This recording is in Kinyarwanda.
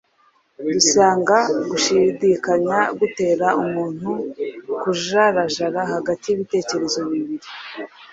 dusanga gushidikanya gutera umuntu kujarajara hagati y’ibitekerezo bibiri,